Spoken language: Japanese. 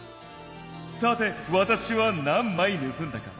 「さてわたしは何まいぬすんだか？」。